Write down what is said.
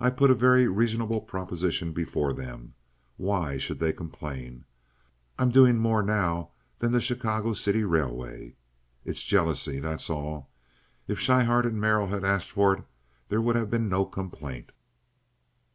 "I put a very reasonable proposition before them. Why should they complain? I'm doing more now than the Chicago City Railway. It's jealousy, that's all. If Schryhart or Merrill had asked for it, there would have been no complaint."